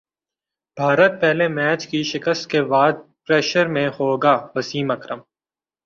بھارت پہلے میچ کی شکست کے بعد پریشر میں ہوگاوسیم اکرم